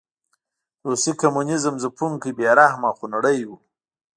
روسي کمونېزم ځپونکی، بې رحمه او خونړی و.